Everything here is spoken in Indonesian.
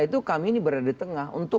itu kami ini berada di tengah untuk